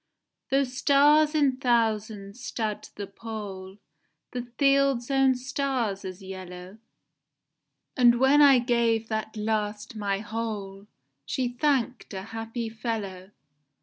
Though stars in thousands stud the pole, The fields own stars as yellow, And when I gave that last my whole, She thank'd a happy fellow.